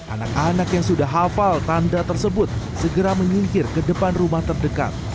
anak anak yang sudah hafal tanda tersebut segera menyingkir ke depan rumah terdekat